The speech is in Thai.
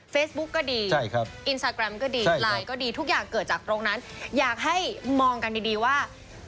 เฟซบุ๊กก็ดีอินสตาแกรมก็ดีไลน์ก็ดีทุกอย่างเกิดจากตรงนั้นอยากให้มองกันดีว่า